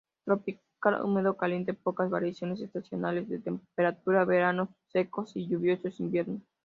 Tropical, húmedo caliente, pocas variaciones estacionales de temperatura, veranos secos y lluviosos inviernos.